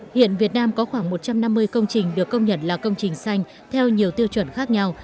hiện việt nam có khoảng một trăm năm mươi công trình được công nhận là công trình xanh theo nhiều tiêu chuẩn khác nhau